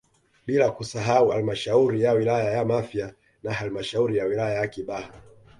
Bila kusahau halmashauri ya wilaya ya Mafia na halmashauri ya wilaya ya Kibaha